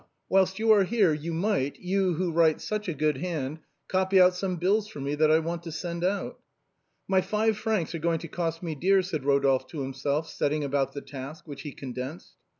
whilst you are here, you might, you who write such a good hand, copy out some bills for me that I want to send out." " My five francs are going to cost me dear," said Ro dolphe to himself, setting about the task, which he con densed.